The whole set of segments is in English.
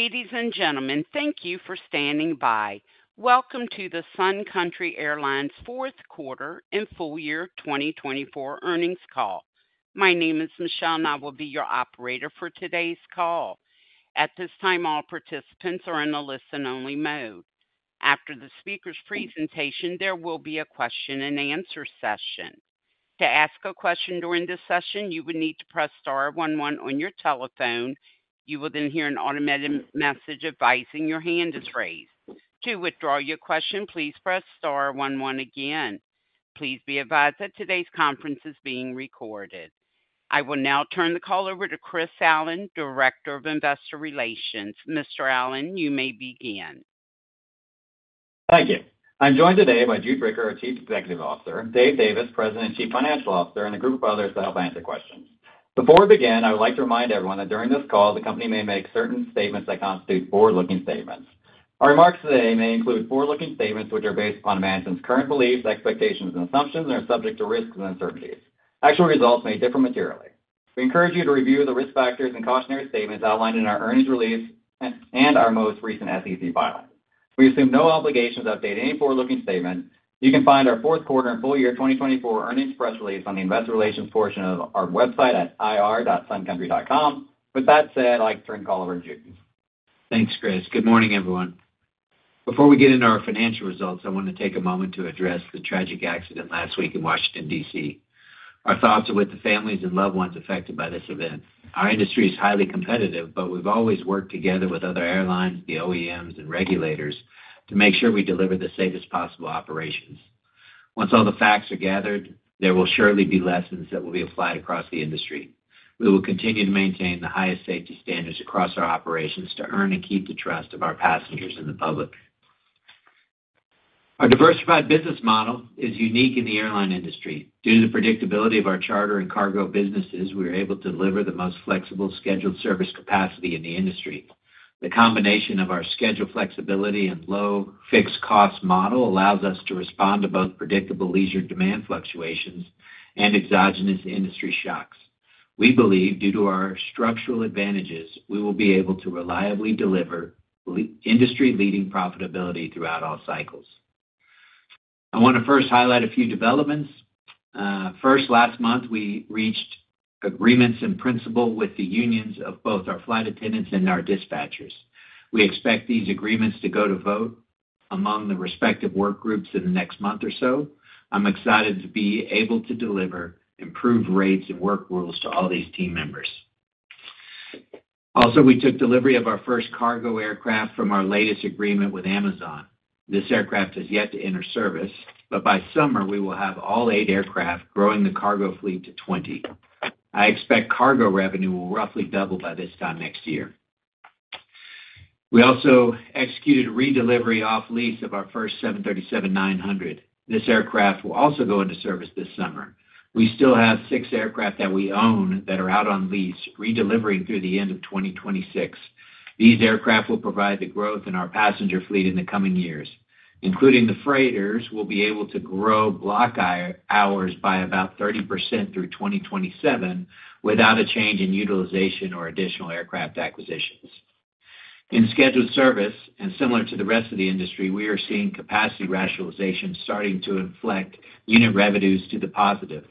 Ladies and gentlemen, thank you for standing by. Welcome to the Sun Country Airlines Q4 and full year 2024 Earnings Call. My name is Michelle, and I will be your operator for today's call. At this time, all participants are in a listen-only mode. After the speaker's presentation, there will be a question-and-answer session. To ask a question during this session, you would need to press star 11 on your telephone. You will then hear an automated message advising your hand is raised. To withdraw your question, please press star 11 again. Please be advised that today's conference is being recorded. I will now turn the call over to Chris Allen, Director of Investor Relations. Mr. Allen, you may begin. Thank you. I'm joined today by Jude Bricker, Chief Executive Officer, Dave Davis, President and Chief Financial Officer, and a group of others to help answer questions. Before we begin, I would like to remind everyone that during this call, the company may make certain statements that constitute forward-looking statements. Our remarks today may include forward-looking statements which are based upon management's current beliefs, expectations, and assumptions, and are subject to risks and uncertainties. Actual results may differ materially. We encourage you to review the risk factors and cautionary statements outlined in our earnings release and our most recent SEC filing. We assume no obligation to update any forward-looking statement. You can find our Q4 and full year 2024 earnings press release on the Investor Relations portion of our website at ir.suncountry.com. With that said, I'd like to turn the call over to Jude. Thanks, Chris. Good morning, everyone. Before we get into our financial results, I want to take a moment to address the tragic accident last week in Washington, D.C. Our thoughts are with the families and loved ones affected by this event. Our industry is highly competitive, but we've always worked together with other airlines, the OEMs, and regulators to make sure we deliver the safest possible operations. Once all the facts are gathered, there will surely be lessons that will be applied across the industry. We will continue to maintain the highest safety standards across our operations to earn and keep the trust of our passengers and the public. Our diversified business model is unique in the airline industry. Due to the predictability of our charter and cargo businesses, we are able to deliver the most flexible scheduled service capacity in the industry. The combination of our schedule flexibility and low fixed cost model allows us to respond to both predictable leisure demand fluctuations and exogenous industry shocks. We believe, due to our structural advantages, we will be able to reliably deliver industry-leading profitability throughout all cycles. I want to first highlight a few developments. First, last month, we reached agreements in principle with the unions of both our flight attendants and our dispatchers. We expect these agreements to go to vote among the respective work groups in the next month or so. I'm excited to be able to deliver improved rates and work rules to all these team members. Also, we took delivery of our first cargo aircraft from our latest agreement with Amazon. This aircraft has yet to enter service, but by summer, we will have all eight aircraft, growing the cargo fleet to 20. I expect cargo revenue will roughly double by this time next year. We also executed a redelivery off-lease of our first 737-900. This aircraft will also go into service this summer. We still have six aircraft that we own that are out on lease, redelivering through the end of 2026. These aircraft will provide the growth in our passenger fleet in the coming years. Including the freighters, we'll be able to grow block hours by about 30% through 2027 without a change in utilization or additional aircraft acquisitions. In scheduled service, and similar to the rest of the industry, we are seeing capacity rationalization starting to inflect unit revenues to the positive.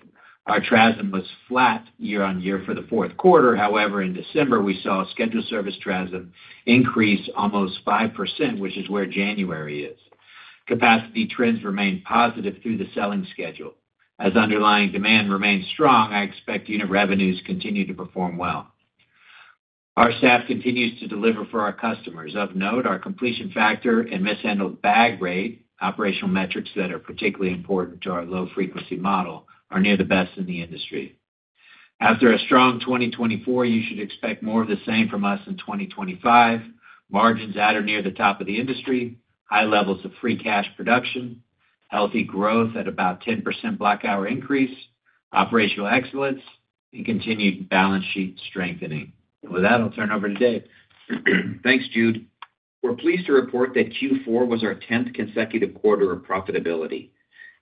Our TRASM was flat year on year for the Q4. However, in December, we saw a scheduled service TRASM increase almost 5%, which is where January is. Capacity trends remain positive through the selling schedule. As underlying demand remains strong, I expect unit revenues continue to perform well. Our staff continues to deliver for our customers. Of note, our completion factor and mishandled bag rate, operational metrics that are particularly important to our low-frequency model, are near the best in the industry. After a strong 2024, you should expect more of the same from us in 2025. Margins at or near the top of the industry, high levels of free cash production, healthy growth at about 10% block hour increase, operational excellence, and continued balance sheet strengthening. With that, I'll turn it over to Dave. Thanks, Jude. We're pleased to report that Q4 was our 10th consecutive quarter of profitability.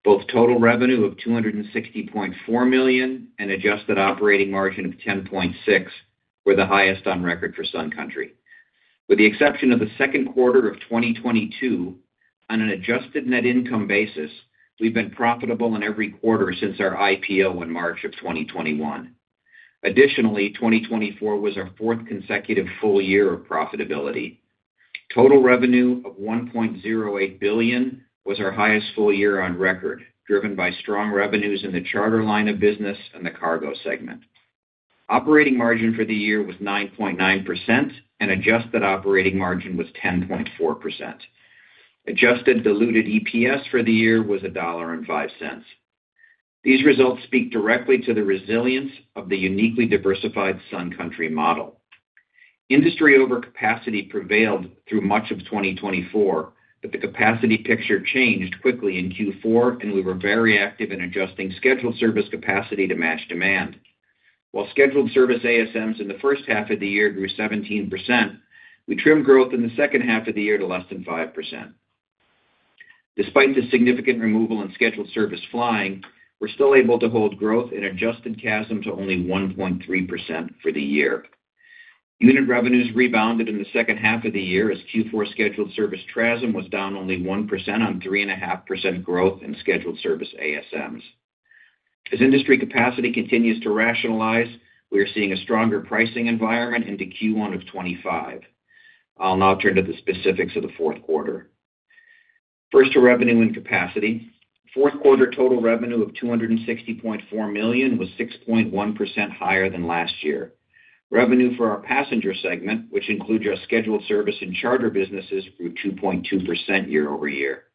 Both total revenue of $260.4 million and adjusted operating margin of 10.6% were the highest on record for Sun Country. With the exception of the Q2 of 2022, on an adjusted net income basis, we've been profitable in every quarter since our IPO in March of 2021. Additionally, 2024 was our fourth consecutive full year of profitability. Total revenue of $1.08 billion was our highest full year on record, driven by strong revenues in the charter line of business and the cargo segment. Operating margin for the year was 9.9%, and adjusted operating margin was 10.4%. Adjusted diluted EPS for the year was $1.05. These results speak directly to the resilience of the uniquely diversified Sun Country model. Industry overcapacity prevailed through much of 2024, but the capacity picture changed quickly in Q4, and we were very active in adjusting scheduled service capacity to match demand. While scheduled service ASMs in the first half of the year grew 17%, we trimmed growth in the second half of the year to less than 5%. Despite the significant removal in scheduled service flying, we're still able to hold growth in adjusted TRASM to only 1.3% for the year. Unit revenues rebounded in the second half of the year as Q4 scheduled service TRASM was down only 1% on 3.5% growth in scheduled service ASMs. As industry capacity continues to rationalize, we are seeing a stronger pricing environment into Q1 of 2025. I'll now turn to the specifics of the Q4. First, to revenue and capacity. Q4 total revenue of $260.4 million was 6.1% higher than last year. Revenue for our passenger segment, which includes our scheduled service and charter businesses, grew 2.2% year over year.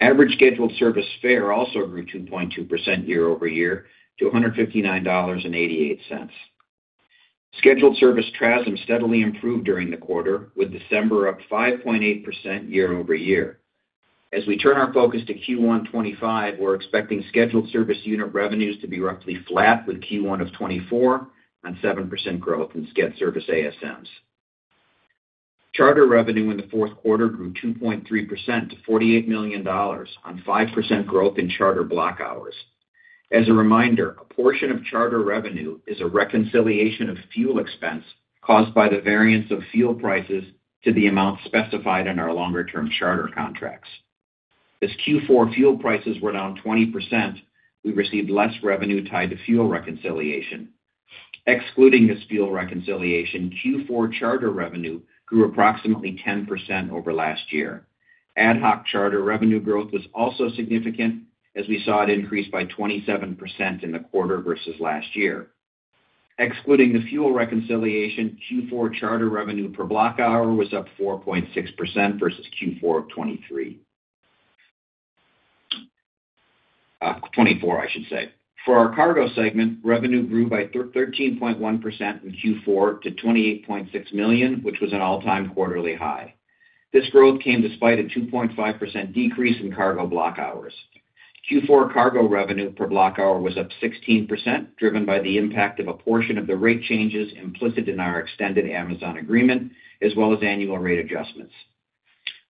Average scheduled service fare also grew 2.2% year over year to $159.88. Scheduled service TRASM steadily improved during the quarter, with December up 5.8% year over year. As we turn our focus to Q1 2025, we're expecting scheduled service unit revenues to be roughly flat with Q1 of 2024 on 7% growth in scheduled service ASMs. Charter revenue in the Q4 grew 2.3% to $48 million on 5% growth in charter block hours. As a reminder, a portion of charter revenue is a reconciliation of fuel expense caused by the variance of fuel prices to the amount specified in our longer-term charter contracts. As Q4 fuel prices were down 20%, we received less revenue tied to fuel reconciliation. Excluding this fuel reconciliation, Q4 charter revenue grew approximately 10% over last year. Ad hoc charter revenue growth was also significant, as we saw it increase by 27% in the quarter versus last year. Excluding the fuel reconciliation, Q4 charter revenue per block hour was up 4.6% versus Q4 of 2023. 2024, I should say. For our cargo segment, revenue grew by 13.1% in Q4 to $28.6 million, which was an all-time quarterly high. This growth came despite a 2.5% decrease in cargo block hours. Q4 cargo revenue per block hour was up 16%, driven by the impact of a portion of the rate changes implicit in our extended Amazon agreement, as well as annual rate adjustments.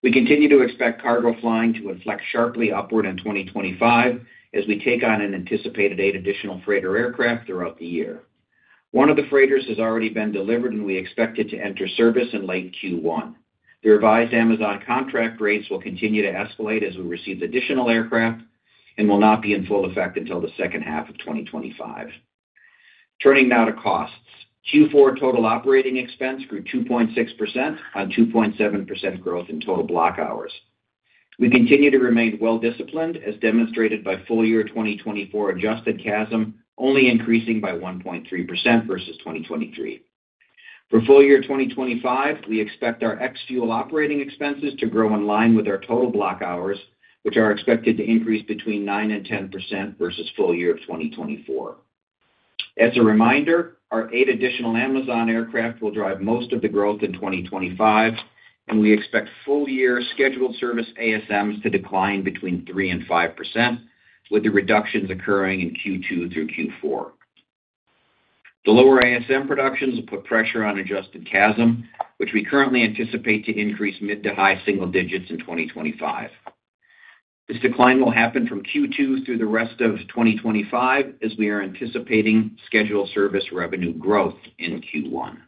We continue to expect cargo flying to inflect sharply upward in 2025 as we take on an anticipated eight additional freighter aircraft throughout the year. One of the freighters has already been delivered, and we expect it to enter service in late Q1. The revised Amazon contract rates will continue to escalate as we receive additional aircraft and will not be in full effect until the second half of 2025. Turning now to costs, Q4 total operating expense grew 2.6% on 2.7% growth in total block hours. We continue to remain well-disciplined, as demonstrated by full year 2024 adjusted TRASM only increasing by 1.3% versus 2023. For full year 2025, we expect our ex-fuel operating expenses to grow in line with our total block hours, which are expected to increase between 9 and 10% versus full year of 2024. As a reminder, our eight additional Amazon aircraft will drive most of the growth in 2025, and we expect full year scheduled service ASMs to decline between 3 and 5%, with the reductions occurring in Q2 through Q4. The lower ASM production will put pressure on adjusted TRASM, which we currently anticipate to increase mid to high single digits in 2025. This decline will happen from Q2 through the rest of 2025, as we are anticipating scheduled service revenue growth in Q1.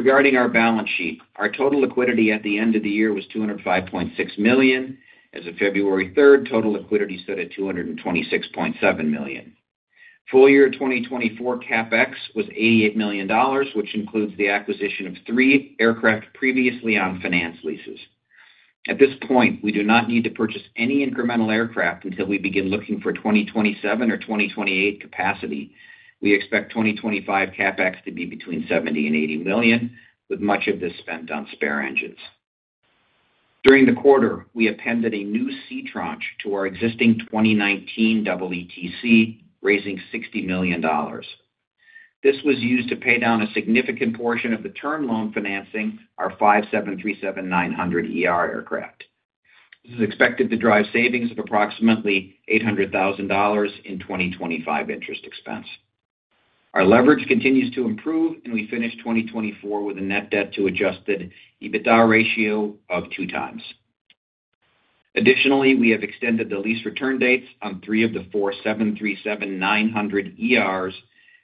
Regarding our balance sheet, our total liquidity at the end of the year was $205.6 million. As of February 3rd, total liquidity set at $226.7 million. Full year 2024 CapEx was $88 million, which includes the acquisition of three aircraft previously on finance leases. At this point, we do not need to purchase any incremental aircraft until we begin looking for 2027 or 2028 capacity. We expect 2025 CapEx to be between $70 and $80 million, with much of this spent on spare engines. During the quarter, we appended a new securities tranche to our existing 2019 EETC, raising $60 million. This was used to pay down a significant portion of the term loan financing our 737-900 aircraft. This is expected to drive savings of approximately $800,000 in 2025 interest expense. Our leverage continues to improve, and we finished 2024 with a net debt-to-Adjusted EBITDA ratio of two times. Additionally, we have extended the lease return dates on three of the four 737-900ERs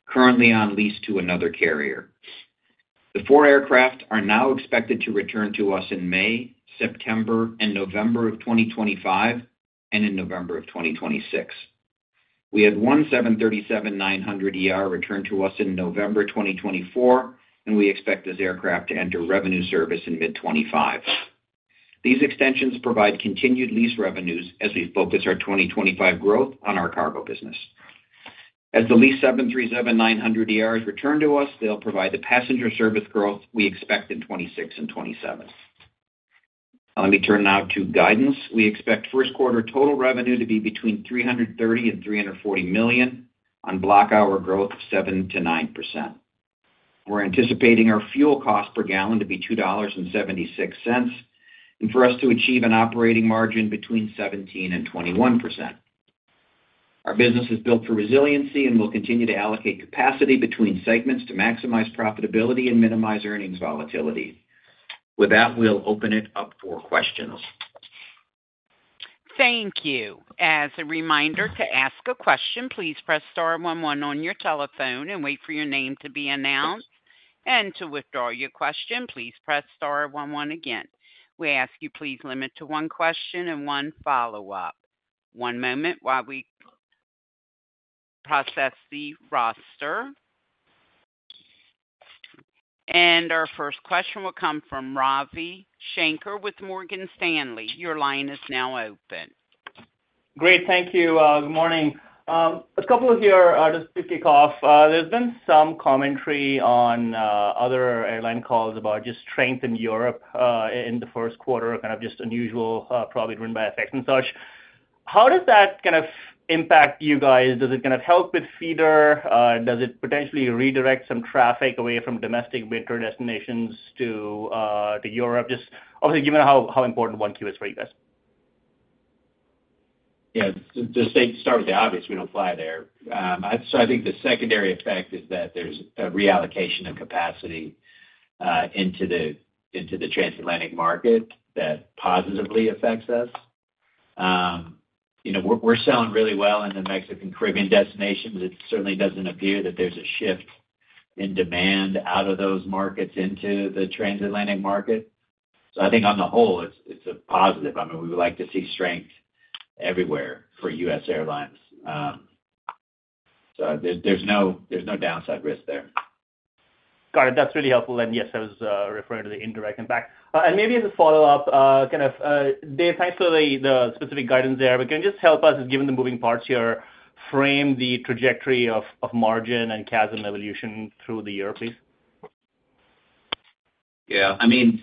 currently on lease to another carrier. The four aircraft are now expected to return to us in May, September, and November of 2025, and in November of 2026. We had one 737-900 return to us in November 2024, and we expect this aircraft to enter revenue service in mid-2025. These extensions provide continued lease revenues as we focus our 2025 growth on our cargo business. As the lease 737-900ERs return to us, they'll provide the passenger service growth we expect in 2026 and 2027. Let me turn now to guidance. We expect Q1 total revenue to be between $330 and $340 million on block hour growth of 7%-9%. We're anticipating our fuel cost per gallon to be $2.76 and for us to achieve an operating margin between 17%-21%. Our business is built for resiliency and will continue to allocate capacity between segments to maximize profitability and minimize earnings volatility. With that, we'll open it up for questions. Thank you. As a reminder to ask a question, please press star 11 on your telephone and wait for your name to be announced. And to withdraw your question, please press star 11 again. We ask you please limit to one question and one follow-up. One moment while we process the roster. And our first question will come from Ravi Shanker with Morgan Stanley. Your line is now open. Great. Thank you. Good morning. A couple of things here just to kick off, there's been some commentary on other airline calls about just strength in Europe in the Q1, kind of just unusual, probably driven by effects and such. How does that kind of impact you guys? Does it kind of help with feeder? Does it potentially redirect some traffic away from domestic winter destinations to Europe? Just obviously given how important 1Q is for you guys. Yeah. To start with the obvious, we don't fly there. So I think the secondary effect is that there's a reallocation of capacity into the transatlantic market that positively affects us. We're selling really well in the Mexican Caribbean destinations. It certainly doesn't appear that there's a shift in demand out of those markets into the transatlantic market. So I think on the whole, it's a positive. I mean, we would like to see strength everywhere for U.S. airlines. So there's no downside risk there. Got it. That's really helpful. And yes, I was referring to the indirect impact. And maybe as a follow-up, kind of Dave, thanks for the specific guidance there. But can you just help us, given the moving parts here, frame the trajectory of margin and TRASM evolution through the year, please? Yeah. I mean,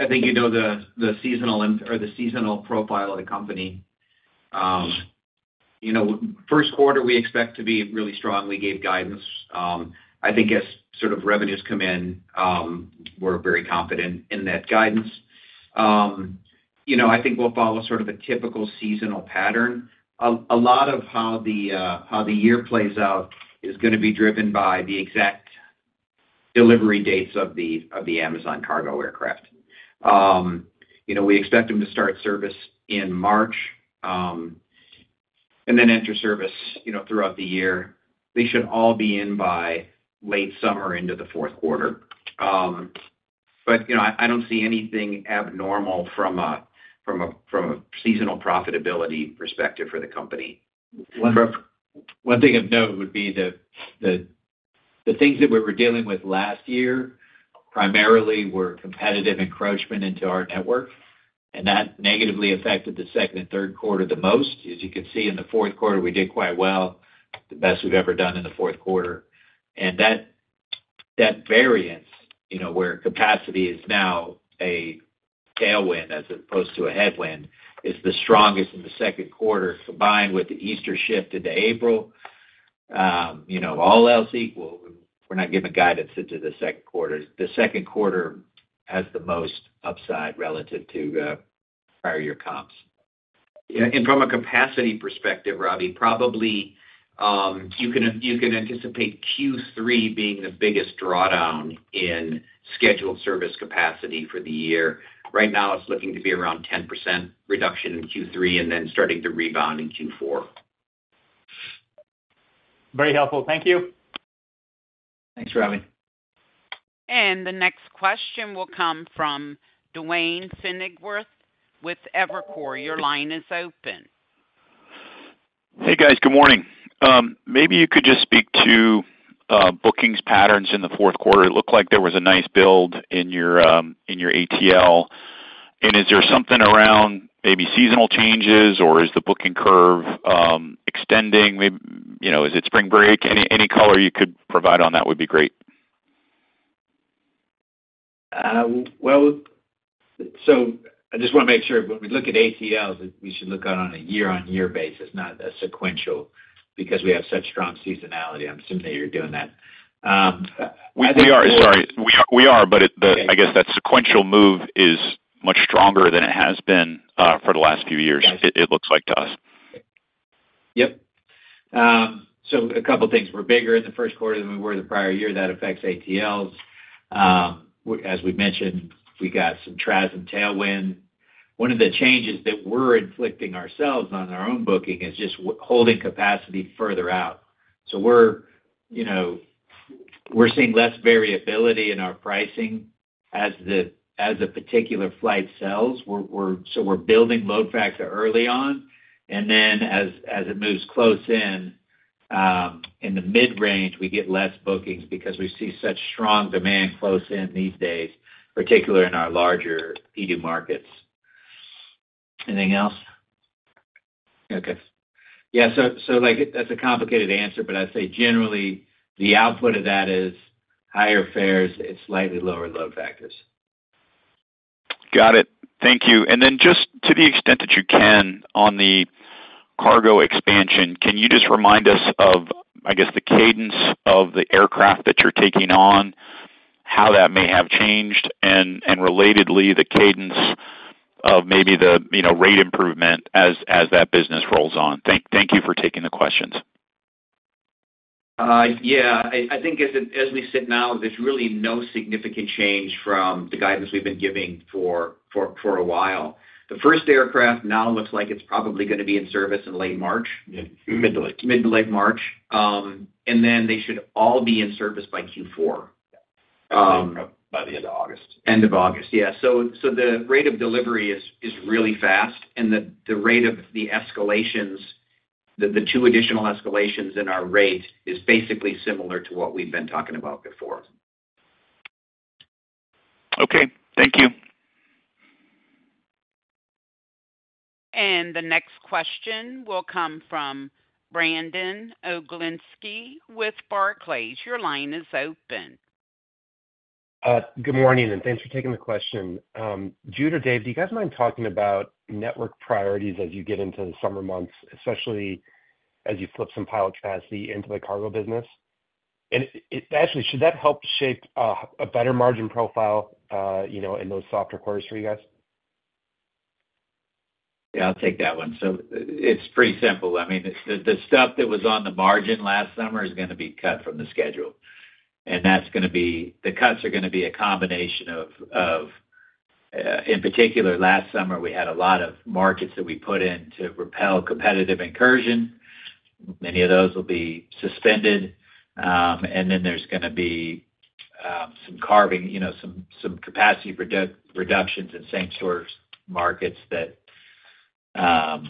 I think you know the seasonal profile of the company. Q1, we expect to be really strong. We gave guidance. I think as sort of revenues come in, we're very confident in that guidance. I think we'll follow sort of a typical seasonal pattern. A lot of how the year plays out is going to be driven by the exact delivery dates of the Amazon cargo aircraft. We expect them to start service in March and then enter service throughout the year. They should all be in by late summer into the Q4. But I don't see anything abnormal from a seasonal profitability perspective for the company. One thing of note would be the things that we were dealing with last year primarily were competitive encroachment into our network, and that negatively affected the second and Q3 the most. As you can see in the Q4, we did quite well, the best we've ever done in the Q4. And that variance, where capacity is now a tailwind as opposed to a headwind, is the strongest in the Q2 combined with the Easter shift into April. All else equal, we're not given guidance into the Q2. The Q2 has the most upside relative to prior year comps. From a capacity perspective, Ravi, probably you can anticipate Q3 being the biggest drawdown in scheduled service capacity for the year. Right now, it's looking to be around 10% reduction in Q3 and then starting to rebound in Q4. Very helpful. Thank you. Thanks, Ravi. The next question will come from Duane Pfennigwerth with Evercore. Your line is open. Hey, guys. Good morning. Maybe you could just speak to bookings patterns in the Q4. It looked like there was a nice build in your ATL. And is there something around maybe seasonal changes, or is the booking curve extending? Is it spring break? Any color you could provide on that would be great. I just want to make sure when we look at ATL, we should look on a year-on-year basis, not a sequential, because we have such strong seasonality. I'm assuming that you're doing that. We are. Sorry. We are, but I guess that sequential move is much stronger than it has been for the last few years. It looks like to us. Yep. So a couple of things. We're bigger in the Q1 than we were the prior year. That affects ATL. As we mentioned, we got some TRASM tailwind. One of the changes that we're inflicting ourselves on our own booking is just holding capacity further out. So we're seeing less variability in our pricing as a particular flight sells. So we're building load factor early on. And then as it moves close in, in the mid-range, we get less bookings because we see such strong demand close in these days, particularly in our larger Et markets. Anything else? Okay. Yeah. So that's a complicated answer, but I'd say generally, the output of that is higher fares, slightly lower load factors. Got it. Thank you. And then just to the extent that you can on the cargo expansion, can you just remind us of, I guess, the cadence of the aircraft that you're taking on, how that may have changed, and relatedly, the cadence of maybe the rate improvement as that business rolls on? Thank you for taking the questions. Yeah. I think as we sit now, there's really no significant change from the guidance we've been giving for a while. The first aircraft now looks like it's probably going to be in service in late March. Mid to late March. Mid to late March. And then they should all be in service by Q4. By the end of August. End of August. Yeah. So the rate of delivery is really fast, and the rate of the escalations, the two additional escalations in our rate is basically similar to what we've been talking about before. Okay. Thank you. And the next question will come from Brandon Oglenski with Barclays. Your line is open. Good morning, and thanks for taking the question. Jude or Dave, do you guys mind talking about network priorities as you get into the summer months, especially as you flip some pilot capacity into the cargo business? And actually, should that help shape a better margin profile in those softer quarters for you guys? Yeah. I'll take that one. So it's pretty simple. I mean, the stuff that was on the margin last summer is going to be cut from the schedule. That's going to be the cuts are going to be a combination of, in particular, last summer, we had a lot of markets that we put in to repel competitive incursion. Many of those will be suspended. And then there's going to be some carving, some capacity reductions in sanctuary markets that had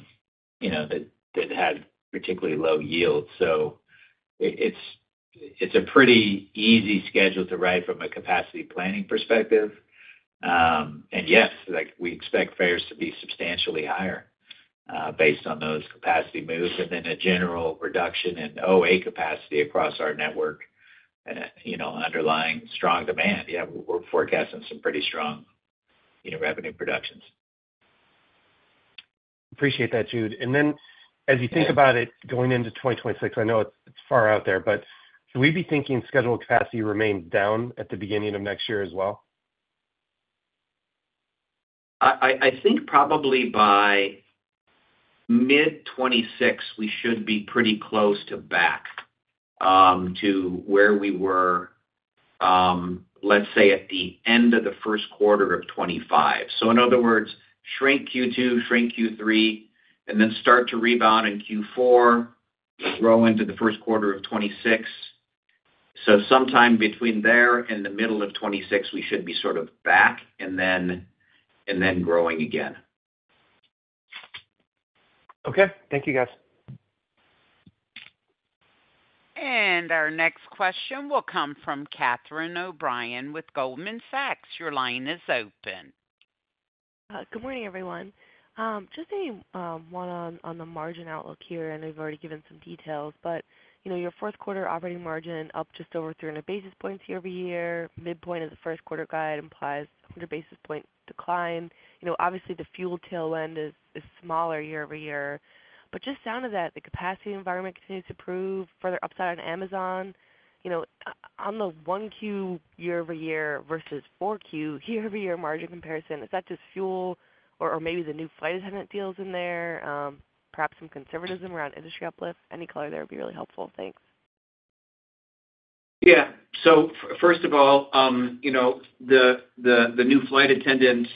particularly low yield. So it's a pretty easy schedule to write from a capacity planning perspective. And yes, we expect fares to be substantially higher based on those capacity moves and then a general reduction in OA capacity across our network, underlying strong demand. Yeah, we're forecasting some pretty strong revenue projections. Appreciate that, Jude. And then as you think about it going into 2026, I know it's far out there, but should we be thinking scheduled capacity remains down at the beginning of next year as well? I think probably by mid-2026, we should be pretty close to back to where we were, let's say, at the end of the Q1 of 2025. So in other words, shrink Q2, shrink Q3, and then start to rebound in Q4, grow into the Q1 of 2026. So sometime between there and the middle of 2026, we should be sort of back and then growing again. Okay. Thank you, guys. And our next question will come from Catherine O'Brien with Goldman Sachs. Your line is open. Good morning, everyone. Just a one-on-one on the margin outlook here, and we've already given some details. But your Q4 operating margin up just over 300 basis points year over year. Midpoint of the Q1 guide implies 100 basis point decline. Obviously, the fuel tailwind is smaller year over year. But just based on that, the capacity environment continues to prove further upside on Amazon. On the 1Q year over year versus 4Q year over year margin comparison, is that just fuel or maybe the new flight attendant deals in there? Perhaps some conservatism around industry uplift? Any color there would be really helpful. Thanks. Yeah. So first of all, the new flight attendant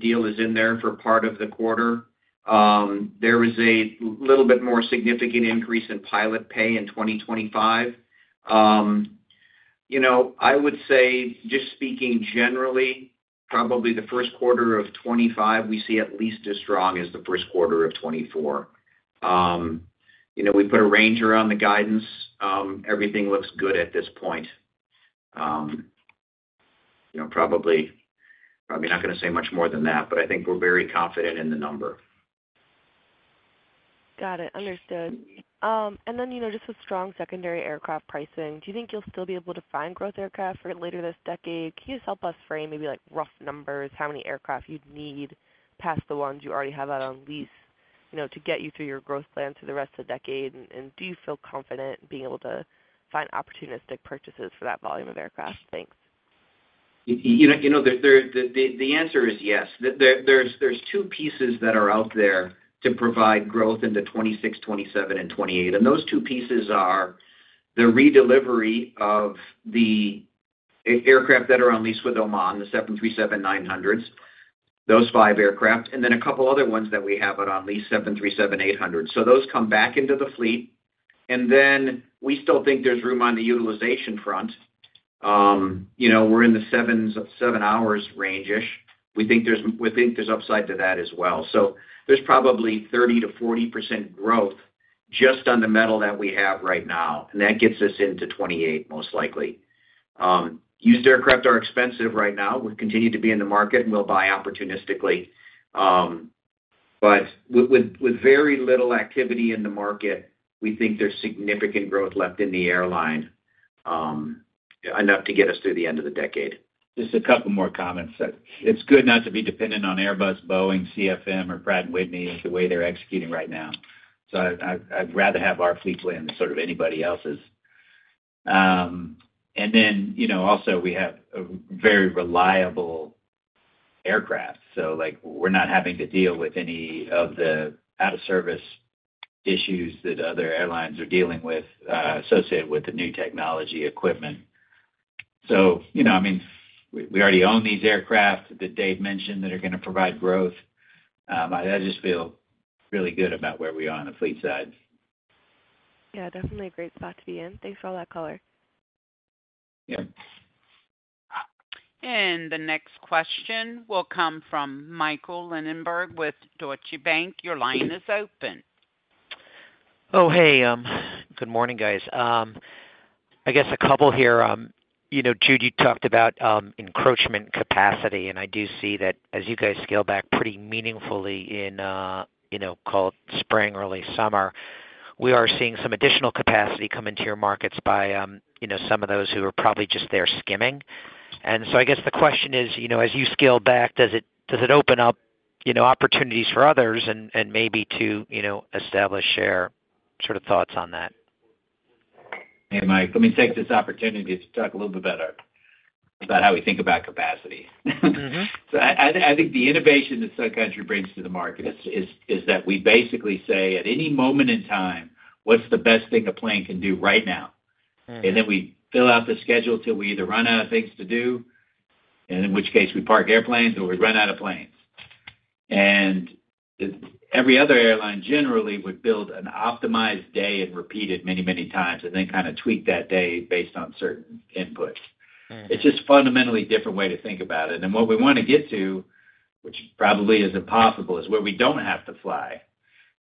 deal is in there for part of the quarter. There was a little bit more significant increase in pilot pay in 2025. I would say, just speaking generally, probably the Q1 of 2025, we see at least as strong as the Q1 of 2024. We put a range around the guidance. Everything looks good at this point. Probably not going to say much more than that, but I think we're very confident in the number. Got it. Understood. And then just with strong secondary aircraft pricing, do you think you'll still be able to find growth aircraft for later this decade? Can you just help us frame maybe rough numbers, how many aircraft you'd need past the ones you already have out on lease to get you through your growth plan through the rest of the decade? And do you feel confident being able to find opportunistic purchases for that volume of aircraft? Thanks. You know the answer is yes. There's two pieces that are out there to provide growth into 2026, 2027, and 2028. And those two pieces are the redelivery of the aircraft that are on lease with Oman, the 737-900s, those five aircraft, and then a couple of other ones that we have out on lease, 737-800. So those come back into the fleet. And then we still think there's room on the utilization front. We're in the seven hours range-ish. We think there's upside to that as well. So there's probably 30%-40% growth just on the metal that we have right now. And that gets us into 2028, most likely. Used aircraft are expensive right now. We'll continue to be in the market, and we'll buy opportunistically. But with very little activity in the market, we think there's significant growth left in the airline enough to get us through the end of the decade. Just a couple more comments. It's good not to be dependent on Airbus, Boeing, CFM, or Pratt & Whitney the way they're executing right now. So I'd rather have our fleet plan than sort of anybody else's. And then also, we have very reliable aircraft. So we're not having to deal with any of the out-of-service issues that other airlines are dealing with associated with the new technology equipment. So I mean, we already own these aircraft that Dave mentioned that are going to provide growth. I just feel really good about where we are on the fleet side. Yeah. Definitely a great spot to be in. Thanks for all that color. And the next question will come from Michael Linenberg with Deutsche Bank. Your line is open. Oh, hey. Good morning, guys. I guess a couple here. Jude, you talked about encroachment capacity, and I do see that as you guys scale back pretty meaningfully in, call it spring, early summer, we are seeing some additional capacity come into your markets by some of those who are probably just there skimming. And so I guess the question is, as you scale back, does it open up opportunities for others and maybe to establish share sort of thoughts on that? Hey, Mike, let me take this opportunity to talk a little bit better about how we think about capacity. So I think the innovation that Sun Country brings to the market is that we basically say, at any moment in time, what's the best thing a plane can do right now? And then we fill out the schedule till we either run out of things to do, in which case we park airplanes or we run out of planes. And every other airline generally would build an optimized day and repeat it many, many times and then kind of tweak that day based on certain inputs. It's just a fundamentally different way to think about it. What we want to get to, which probably is impossible, is where we don't have to fly,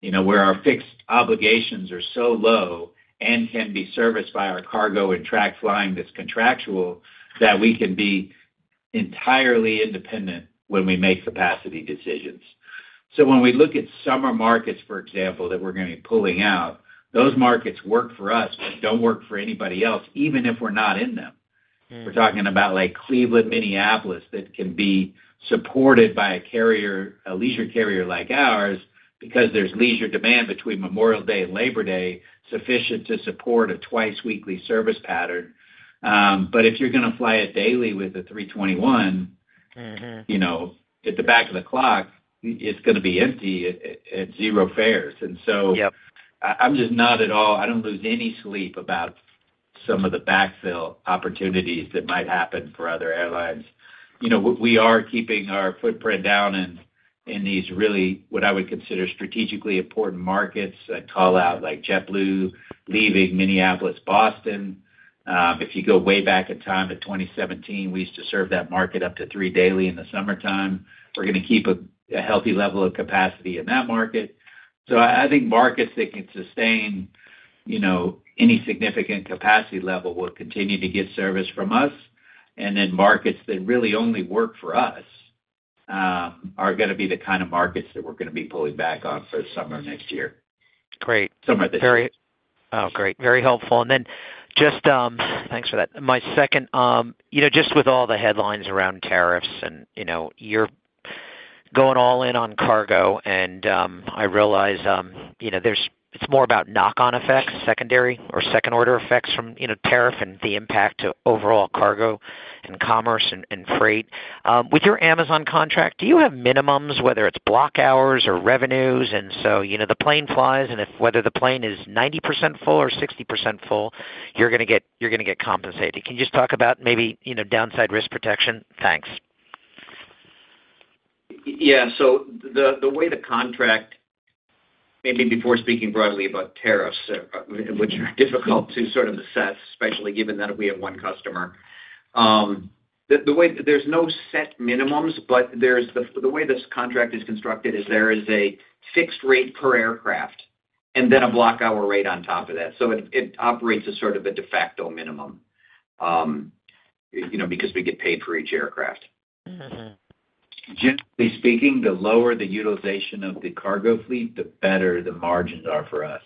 where our fixed obligations are so low and can be serviced by our cargo and charter flying that's contractual, that we can be entirely independent when we make capacity decisions. So when we look at summer markets, for example, that we're going to be pulling out, those markets work for us, but don't work for anybody else, even if we're not in them. We're talking about like Cleveland, Minneapolis that can be supported by a leisure carrier like ours because there's leisure demand between Memorial Day and Labor Day sufficient to support a twice-weekly service pattern. But if you're going to fly it daily with a 321 at the back of the clock, it's going to be empty at zero fares. And so I'm just not at all. I don't lose any sleep about some of the backfill opportunities that might happen for other airlines. We are keeping our footprint down in these really, what I would consider strategically important markets. I'd call out like JetBlue leaving Minneapolis, Boston. If you go way back in time to 2017, we used to serve that market up to three daily in the summertime. We're going to keep a healthy level of capacity in that market. So I think markets that can sustain any significant capacity level will continue to get service from us. And then markets that really only work for us are going to be the kind of markets that we're going to be pulling back on for summer next year. Great. Oh, great. Very helpful. And then just thanks for that. My second, just with all the headlines around tariffs and you're going all in on cargo, and I realize it's more about knock-on effects, secondary or second-order effects from tariff and the impact to overall cargo and commerce and freight. With your Amazon contract, do you have minimums, whether it's block hours or revenues? And so the plane flies, and if whether the plane is 90% full or 60% full, you're going to get compensated. Can you just talk about maybe downside risk protection? Thanks. Yeah. So the way the contract, maybe before speaking broadly about tariffs, which are difficult to sort of assess, especially given that we have one customer, there's no set minimums, but the way this contract is constructed is there is a fixed rate per aircraft and then a block hour rate on top of that. So it operates as sort of a de facto minimum because we get paid for each aircraft. Generally speaking, the lower the utilization of the cargo fleet, the better the margins are for us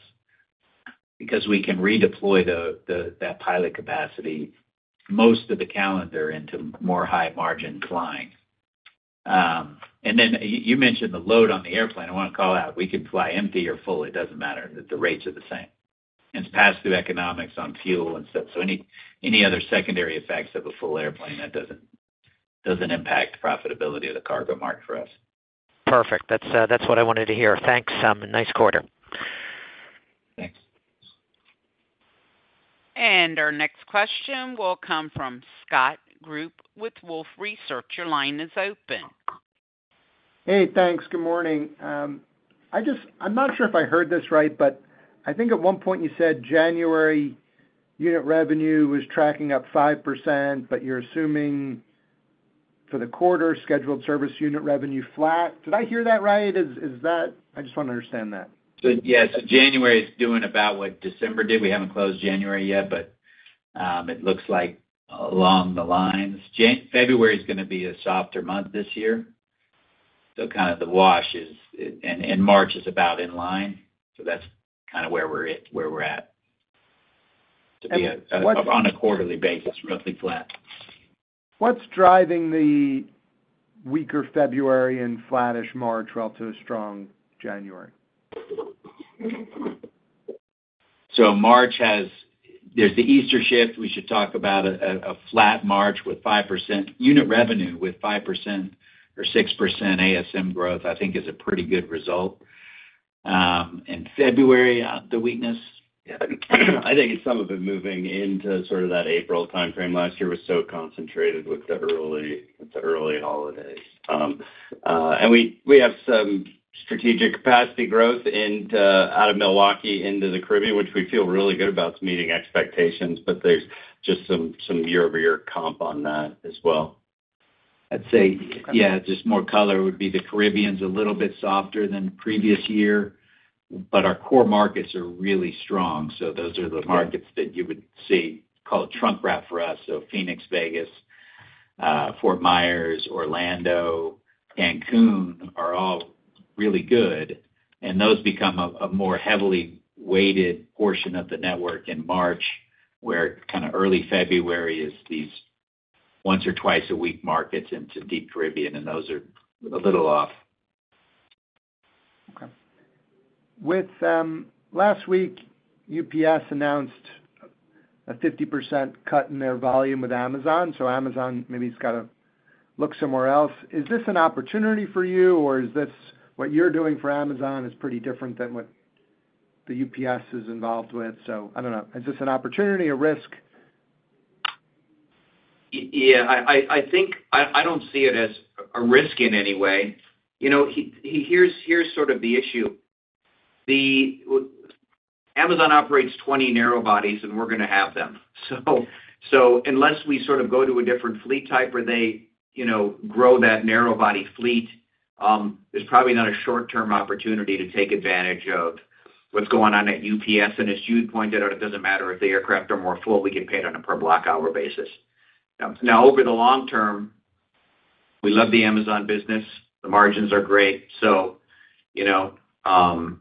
because we can redeploy that pilot capacity, most of the calendar into more high-margin flying. And then you mentioned the load on the airplane. I want to call out, we can fly empty or full. It doesn't matter. The rates are the same. And it's past the economics on fuel and stuff. So any other secondary effects of a full airplane, that doesn't impact profitability of the cargo market for us. Perfect. That's what I wanted to hear. Thanks. Nice quarter. And our next question will come from Scott Group with Wolfe Research. Your line is open. Hey, thanks. Good morning. I'm not sure if I heard this right, but I think at one point you said January unit revenue was tracking up 5%, but you're assuming for the quarter scheduled service unit revenue flat. Did I hear that right? I just want to understand that. Yeah. So January is doing about what December did. We haven't closed January yet, but it looks like along the lines. February is going to be a softer month this year. So kind of the wash is and March is about in line. So that's kind of where we're at. On a quarterly basis, roughly flat. What's driving the weaker February and flattish March relative to a strong January? So March has. There's the Easter shift. We should talk about a flat March with 5% unit revenue with 5% or 6% ASM growth, I think, is a pretty good result. In February, the weakness, I think some of it moving into sort of that April timeframe last year, was so concentrated with the early holidays. And we have some strategic capacity growth out of Milwaukee into the Caribbean, which we feel really good about meeting expectations, but there's just some year-over-year comp on that as well. I'd say, yeah, just more color would be the Caribbean's a little bit softer than previous year, but our core markets are really strong. So those are the markets that you would see called trunk route for us. So Phoenix, Vegas, Fort Myers, Orlando, Cancun are all really good. And those become a more heavily weighted portion of the network in March where kind of early February is these once- or twice-a-week markets into deep Caribbean, and those are a little off. Okay. Last week, UPS announced a 50% cut in their volume with Amazon. So Amazon maybe has got to look somewhere else. Is this an opportunity for you, or is this what you're doing for Amazon is pretty different than what the UPS is involved with? So I don't know. Is this an opportunity, a risk? Yeah. I don't see it as a risk in any way. Here's sort of the issue. Amazon operates 20 narrow bodies, and we're going to have them. So unless we sort of go to a different fleet type where they grow that narrow body fleet, there's probably not a short-term opportunity to take advantage of what's going on at UPS. And as you pointed out, it doesn't matter if the aircraft are more full. We get paid on a per block hour basis. Now, over the long term, we love the Amazon business. The margins are great. So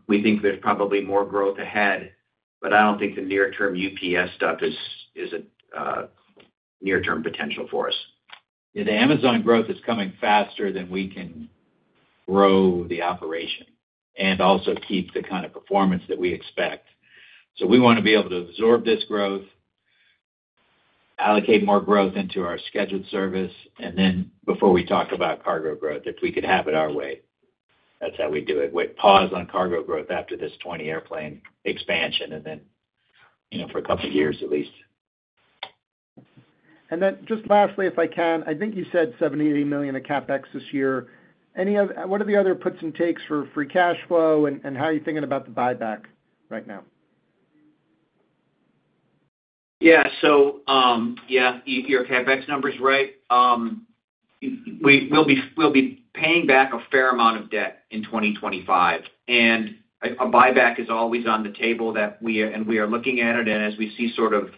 we think there's probably more growth ahead, but I don't think the near-term UPS stuff is a near-term potential for us. The Amazon growth is coming faster than we can grow the operation and also keep the kind of performance that we expect. So we want to be able to absorb this growth, allocate more growth into our scheduled service, and then before we talk about cargo growth, if we could have it our way. That's how we do it. We pause on cargo growth after this 20 airplane expansion and then for a couple of years at least. And then just lastly, if I can, I think you said $78 million of CapEx this year. What are the other puts and takes for free cash flow, and how are you thinking about the buyback right now? Yeah. So yeah, your CapEx number is right. We'll be paying back a fair amount of debt in 2025. And a buyback is always on the table, and we are looking at it. And as we see sort of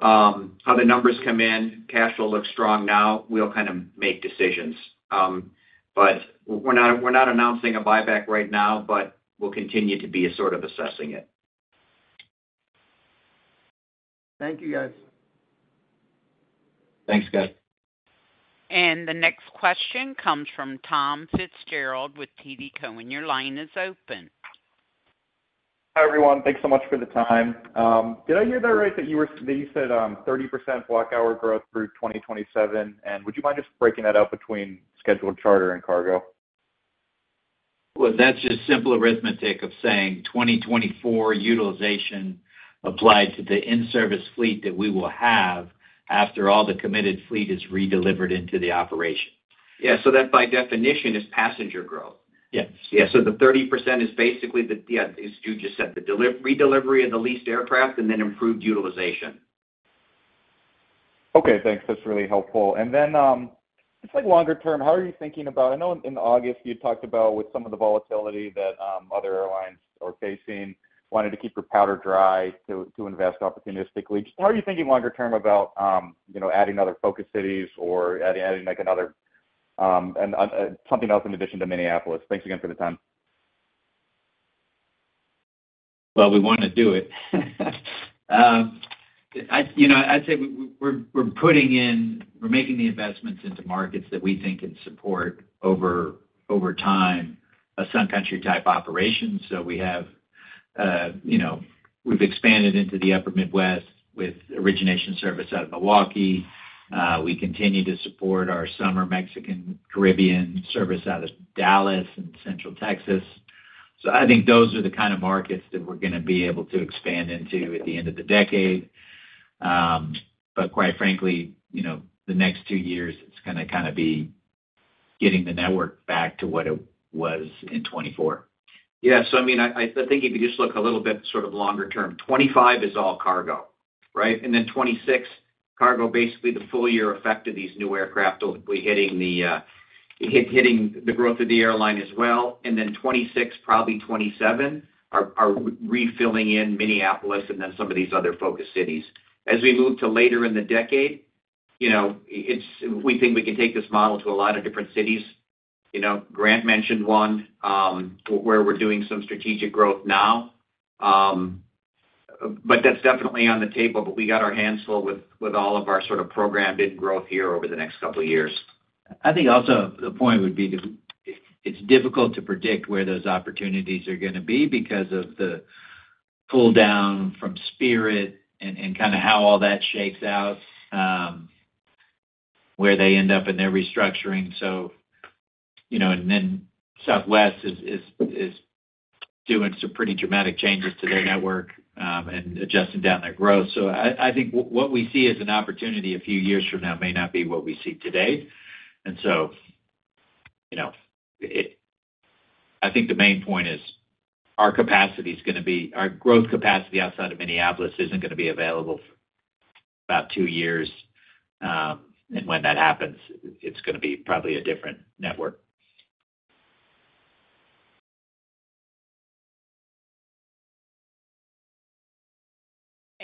how the numbers come in, cash flow looks strong now, we'll kind of make decisions. But we're not announcing a buyback right now, but we'll continue to be sort of assessing it. Thank you, guys. Thanks, Scott. And the next question comes from Tom Fitzgerald with TD Cowen. Your line is open. Hi, everyone. Thanks so much for the time. Did I hear that right that you said 30% block hour growth through 2027? And would you mind just breaking that out between scheduled charter and cargo? Well, that's just simple arithmetic of saying 2024 utilization applied to the in-service fleet that we will have after all the committed fleet is redelivered into the operation. Yeah. So that by definition is passenger growth. Yes. Yeah. So the 30% is basically, yeah, as you just said, the redelivery of the leased aircraft and then improved utilization. Okay. Thanks. That's really helpful. And then just longer term, how are you thinking about? I know in August you talked about with some of the volatility that other airlines are facing, wanting to keep your powder dry to invest opportunistically. How are you thinking longer term about adding other focus cities or adding another something else in addition to Minneapolis? Thanks again for the time. Well, we want to do it. I'd say we're making the investments into markets that we think can support over time a Sun Country type operation. So we've expanded into the Upper Midwest with origination service out of Milwaukee. We continue to support our summer Mexican Caribbean service out of Dallas and Central Texas. So I think those are the kind of markets that we're going to be able to expand into at the end of the decade. But quite frankly, the next two years, it's going to kind of be getting the network back to what it was in 2024. Yeah. So I mean, I think if you just look a little bit sort of longer term, 2025 is all cargo, right? And then 2026, cargo basically the full year effect of these new aircraft will be hitting the growth of the airline as well. And then 2026, probably 2027, are refilling in Minneapolis and then some of these other focus cities. As we move to later in the decade, we think we can take this model to a lot of different cities. Grant mentioned one where we're doing some strategic growth now, but that's definitely on the table, but we got our hands full with all of our sort of programmed in growth here over the next couple of years. I think also the point would be that it's difficult to predict where those opportunities are going to be because of the pull down from Spirit and kind of how all that shakes out, where they end up in their restructuring, and then Southwest is doing some pretty dramatic changes to their network and adjusting down their growth, so I think what we see as an opportunity a few years from now may not be what we see today, and so I think the main point is our capacity is going to be our growth capacity outside of Minneapolis isn't going to be available for about two years. And when that happens, it's going to be probably a different network.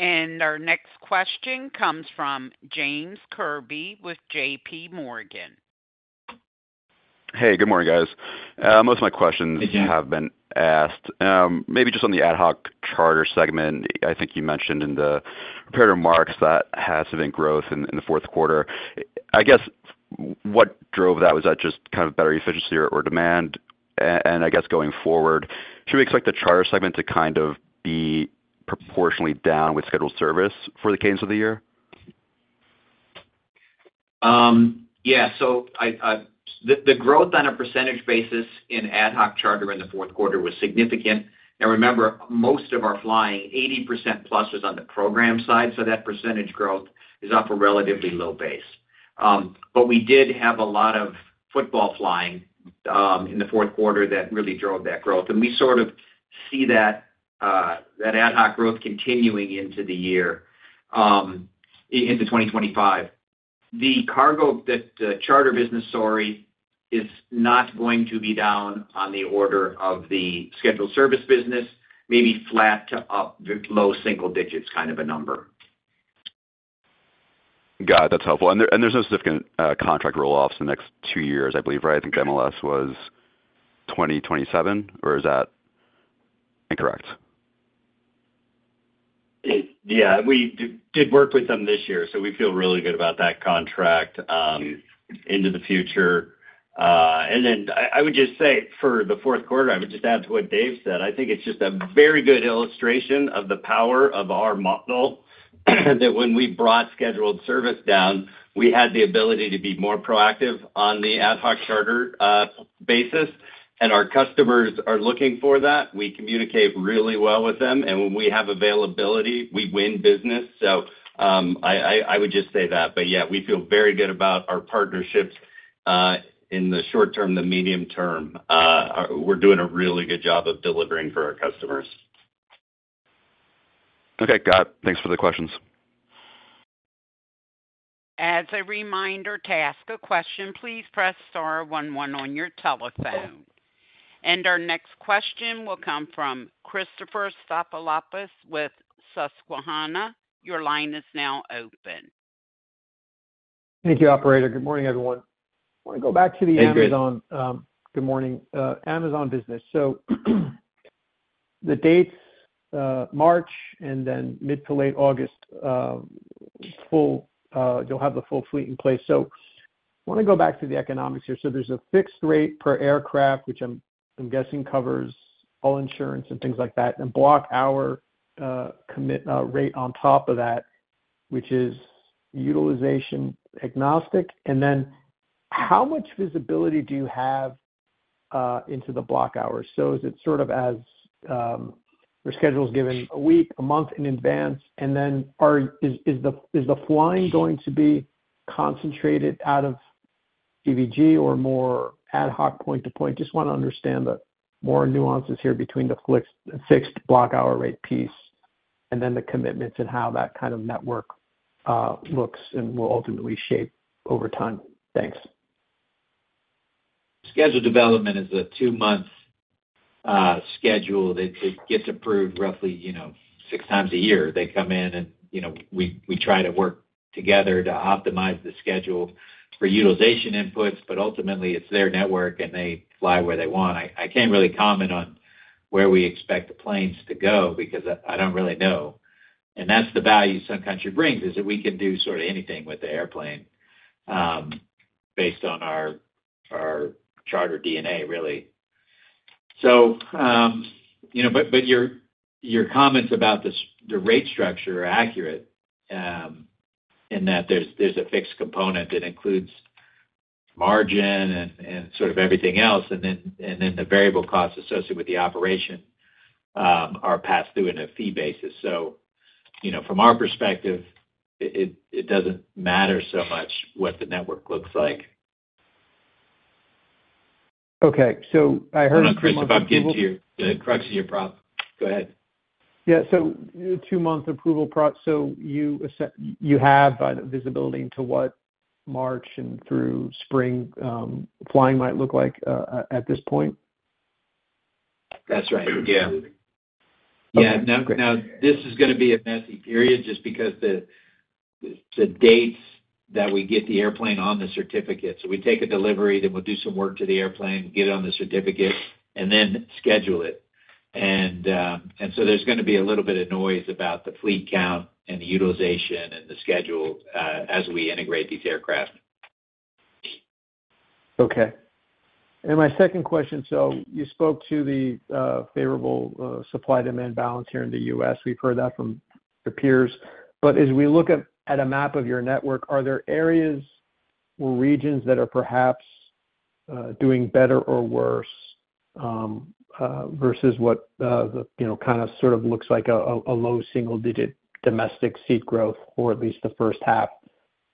Our next question comes from James Kirby with J.P. Morgan. Hey, good morning, guys. Most of my questions have been asked. Maybe just on the ad hoc charter segment, I think you mentioned in the prepared remarks that has been growth in the Q4. I guess what drove that? Was that just kind of better efficiency or demand? And I guess going forward, should we expect the charter segment to kind of be proportionally down with scheduled service for the cadence of the year? Yeah. The growth on a percentage basis in ad hoc charter in the Q4 was significant. And remember, most of our flying, 80% plus was on the program side. That percentage growth is off a relatively low base. But we did have a lot of football flying in the Q4 that really drove that growth. And we sort of see that ad hoc growth continuing into the year, into 2025. The cargo and charter business, sorry, is not going to be down on the order of the scheduled service business, maybe flat to up low single digits kind of a number. Got it. That's helpful. And there's no significant contract roll-offs in the next two years, I believe, right? I think MLS was 2027, or is that incorrect? Yeah. We did work with them this year, so we feel really good about that contract into the future. And then I would just say for the Q4, I would just add to what Dave said. I think it's just a very good illustration of the power of our model that when we brought scheduled service down, we had the ability to be more proactive on the ad hoc charter basis. And our customers are looking for that. We communicate really well with them. And when we have availability, we win business. So I would just say that. But yeah, we feel very good about our partnerships in the short term, the medium term. We're doing a really good job of delivering for our customers. Okay. Got it. Thanks for the questions. As a reminder, to ask a question, please press star 11 on your telephone. And our next question will come from Christopher Stathoulopoulos with Susquehanna. Your line is now open. Thank you, operator. Good morning, everyone. I want to go back to the Amazon. Good morning. Amazon business. So the dates, March, and then mid- to late August, you'll have the full fleet in place. So I want to go back to the economics here. So there's a fixed rate per aircraft, which I'm guessing covers all insurance and things like that, and a block hour rate on top of that, which is utilization agnostic. And then how much visibility do you have into the block hours? So is it sort of as your schedule is given a week, a month in advance? And then is the flying going to be concentrated out of CVG or more ad hoc point to point? Just want to understand the nuances here between the fixed block hour rate piece and then the commitments and how that kind of network looks and will ultimately shape over time. Thanks. Schedule development is a two-month schedule that gets approved roughly six times a year. They come in, and we try to work together to optimize the schedule for utilization inputs, but ultimately, it's their network, and they fly where they want. I can't really comment on where we expect the planes to go because I don't really know. And that's the value Sun Country brings, is that we can do sort of anything with the airplane based on our charter DNA, really. But your comments about the rate structure are accurate in that there's a fixed component that includes margin and sort of everything else, and then the variable costs associated with the operation are passed through on a fee basis. So from our perspective, it doesn't matter so much what the network looks like. Okay. So I heard from. if I'm getting to your crux of your problem. Go ahead. Yeah. So two-month approval. So you have visibility into what March and through spring flying might look like at this point? That's right. Yeah. Yeah. Now, this is going to be a messy period just because the dates that we get the airplane on the certificate. So we take a delivery, then we'll do some work to the airplane, get it on the certificate, and then schedule it. And so there's going to be a little bit of noise about the fleet count and the utilization and the schedule as we integrate these aircraft. Okay. And my second question, so you spoke to the favorable supply-demand balance here in the U.S. We've heard that from your peers. But as we look at a map of your network, are there areas or regions that are perhaps doing better or worse versus what kind of sort of looks like a low single-digit domestic seat growth, or at least the first half,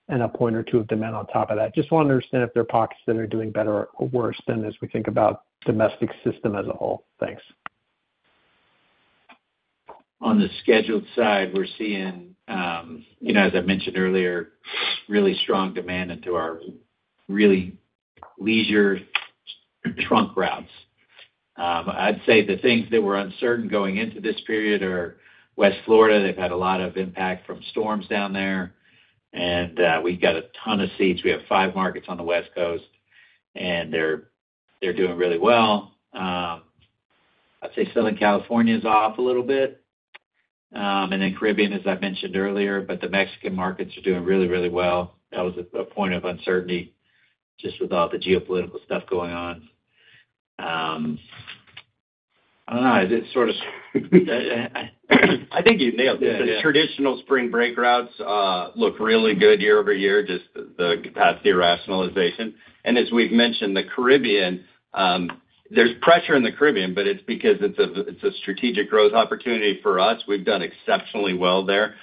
and a point or two of demand on top of that? Just want to understand if there are pockets that are doing better or worse than as we think about domestic system as a whole. Thanks. On the scheduled side, we're seeing, as I mentioned earlier, really strong demand into our really leisure trunk routes. I'd say the things that were uncertain going into this period are West Florida. They've had a lot of impact from storms down there. And we've got a ton of seats. We have five markets on the West Coast, and they're doing really well. I'd say Southern California is off a little bit. And then, Caribbean, as I mentioned earlier, but the Mexican markets are doing really, really well. That was a point of uncertainty just with all the geopolitical stuff going on. I don't know. I think you nailed it. Traditional spring break routes look really good year over year, just the capacity rationalization. And as we've mentioned, the Caribbean, there's pressure in the Caribbean, but it's because it's a strategic growth opportunity for us. We've done exceptionally well there.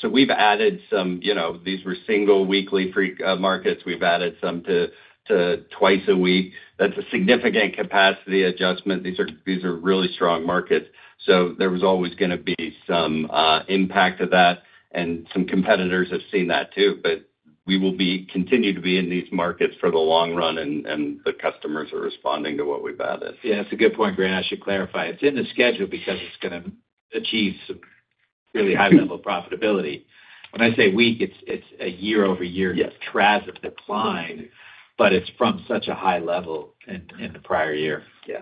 So we've added some. These were single weekly markets. We've added some to twice a week. That's a significant capacity adjustment. These are really strong markets. So there was always going to be some impact of that, and some competitors have seen that too. But we will continue to be in these markets for the long run, and the customers are responding to what we've added. Yeah. That's a good point, Grant. I should clarify. It's in the schedule because it's going to achieve some really high-level profitability. When I say weak, it's a year-over-year track of decline, but it's from such a high level in the prior year. Yeah.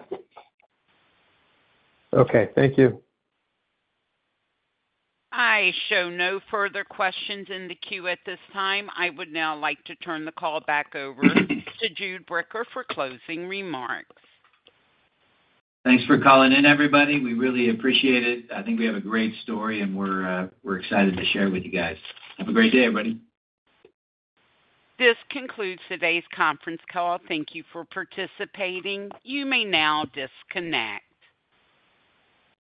Okay. Thank you. I show no further questions in the queue at this time. I would now like to turn the call back over to Jude Bricker for closing remarks. Thanks for calling in, everybody. We really appreciate it. I think we have a great story, and we're excited to share it with you guys. Have a great day, everybody. This concludes today's conference call. Thank you for participating. You may now disconnect.